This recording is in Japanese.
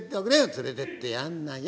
「連れてってやんなよ！」。